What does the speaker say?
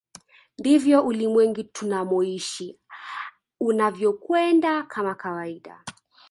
Ndivyo ulimwengu tunamoishi unavyokwenda kama kawaida